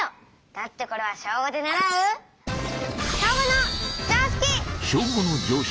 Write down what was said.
だってこれは小５で習う天の声「小５の常識」。